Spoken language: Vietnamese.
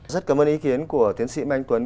rất cảm ơn ý kiến của tiến sĩ mai anh tuấn